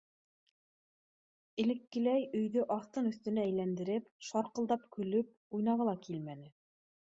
Элеккеләй өйҙө аҫтын-өҫтөнә әйләндереп, шарҡылдап көлөп уйнағы ла килмәне.